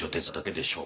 でしょう？